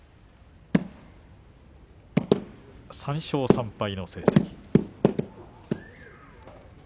３勝３敗の成績。